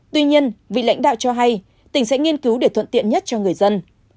tuy nhiên vị lãnh đạo cho hay tỉnh sẽ nghiên cứu để thuận tiện nhất cho người dân